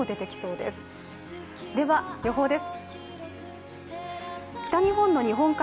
では予報です。